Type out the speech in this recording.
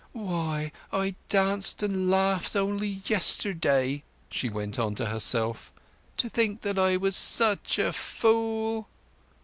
"Why, I danced and laughed only yesterday!" she went on to herself. "To think that I was such a fool!"